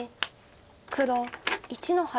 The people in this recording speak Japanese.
黒１の八。